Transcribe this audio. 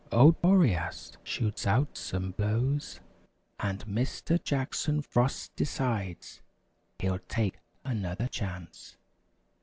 Old Boreas shoots out some blows. And Mister Jackson Frost decides He'll take another chance.